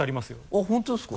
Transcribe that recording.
あっ本当ですか？